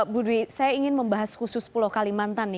budwi saya ingin membahas khusus pulau kalimantan